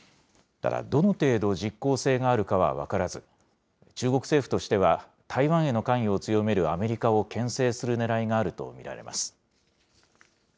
ただ、どの程度、実効性があるかは分からず、中国政府としては、台湾への関与を強めるアメリカをけん制するねらいがあると見られます。